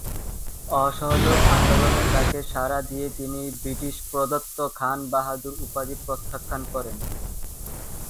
অসহযোগ আন্দোলনের ডাকে সাড়া দিয়ে তিনি বৃটিশ প্রদত্ত ‘খান বাহাদুর’ উপাধি প্রত্যাখান করেন।